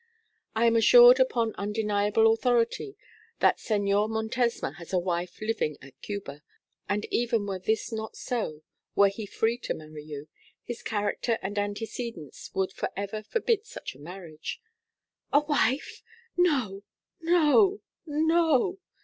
'I am assured upon undeniable authority that Señor Montesma has a wife living at Cuba; and even were this not so were he free to marry you his character and antecedents would for ever forbid such a marriage.' 'A wife! No, no, no!'